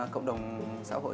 cộng đồng xã hội